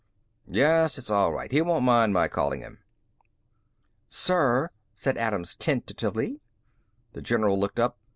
Yes, it's all right. He won't mind my calling him." "Sir," said Adams tentatively. The general looked up.